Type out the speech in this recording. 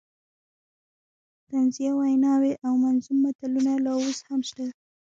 طنزیه ویناوې او منظوم متلونه لا اوس هم شته.